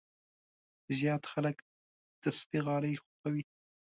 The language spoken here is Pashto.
زیات خلک دستي غالۍ خوښوي.